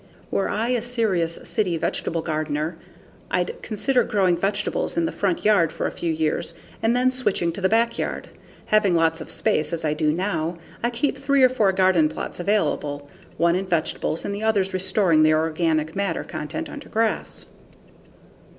Were I a serious city vegetable gardener, I'd consider growing vegetables in the front yard for a few years and then switching to the back yard. Having lots of space, as I do now, I keep three or four garden plots available, one in vegetables and the others restoring their organic matter content under grass.